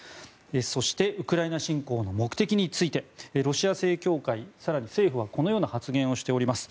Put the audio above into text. そしてウクライナ侵攻の目的についてロシア正教会、更に政府はこのような発言をしております。